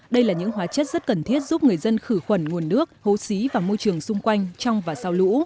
đây là những hóa chất rất cần thiết giúp người dân khử khuẩn nguồn nước hố xí và môi trường xung quanh trong và sau lũ